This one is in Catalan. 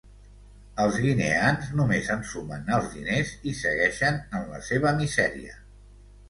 Els guineans només ensumen els diners i segueixen en la seva misèria.